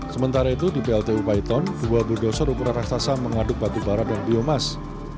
sementara itu di pltu paiton dua bulldozer ukuran raksasa mengaduk batu bara dan biomass